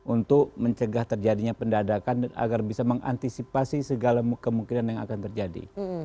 untuk mencegah terjadinya pendadakan agar bisa mengantisipasi segala kemungkinan yang akan terjadi